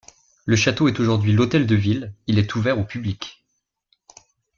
Le château est aujourd'hui l'hôtel de ville, il est ouvert au public.